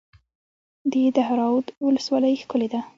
د دهراوود ولسوالۍ ښکلې ده